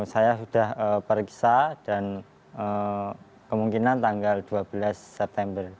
saya sudah periksa dan kemungkinan tanggal dua belas september